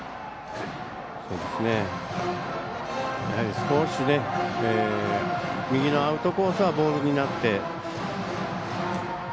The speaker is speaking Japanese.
少し右のアウトコースはボールになって。